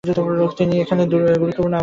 তিনি এখানে গুরুত্বপূর্ণ অবদান রাখেন।